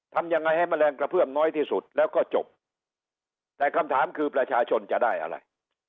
ทำยังไงให้แมลงกระเพื่อมน้อยที่สุดแล้วก็จบแต่คำถามคือประชาชนจะได้อะไร